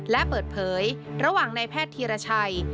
และเปิดเผยระหว่างนายแพทย์ธีรชัย